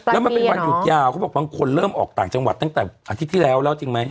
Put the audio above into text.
แล้วมันเป็นวันหยุดยาวเขาบอกบางคนเริ่มออกต่างจังหวัดตั้งแต่อาทิตย์ที่แล้วแล้วจริงไหม